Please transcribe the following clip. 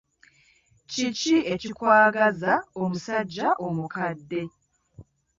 Kiki ekikwagaza omusajja omukadde?